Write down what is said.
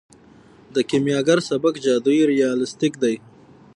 د کیمیاګر سبک جادويي ریالستیک دی.